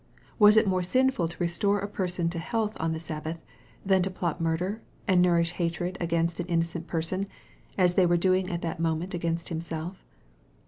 Was it more sinful to restore a person to health on the Sabbath, than to plot murder, and nourish hatred against an innocent person, as they were doing at that moment against Him self